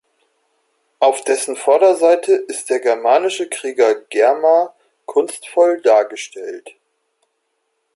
Auf dessen Vorderseite ist der germanische Krieger Germar kunstvoll dargestellt.